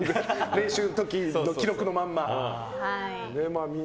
練習の時の記録のまんま。